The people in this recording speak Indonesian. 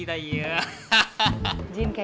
sama bang keker